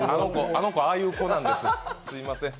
あの子、ああいう子なんです、すみません。